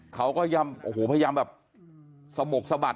เขาก็ยังโอ้โหพยายามแบบสมกสะบัด